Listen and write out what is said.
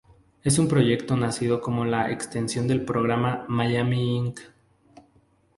Es un proyecto nacido como extensión del programa "Miami Ink".